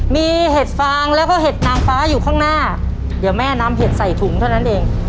มีเห็ดฟางแล้วก็เห็ดนางฟ้าอยู่ข้างหน้าเดี๋ยวแม่นำเห็ดใส่ถุงเท่านั้นเอง